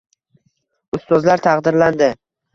Ustozlar taqdirlandi